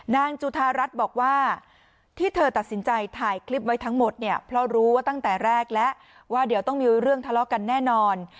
นางจุธารัฐบอกว่าที่เธอตัดสินใจถ่ายคลิปไว้ทั้งหมดเนี่ยเพราะรู้ว่าตั้งแต่แรกแล้วว่าเดี๋ยวต้องมีเรื่องทะเลาะกันแน่นอน